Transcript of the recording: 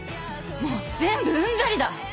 「もう全部うんざりだ！」